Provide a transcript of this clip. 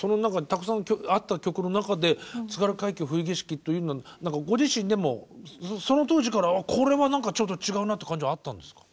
たくさんあった曲の中で「津軽海峡・冬景色」というのはご自身でもその当時からこれは何かちょっと違うなって感じはあったんですか？